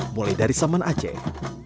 mulai dari saman aceh